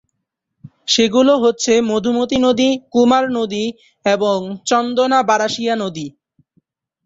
সেগুলো হচ্ছে মধুমতি নদী, কুমার নদী এবংচন্দনা-বারাশিয়া নদী।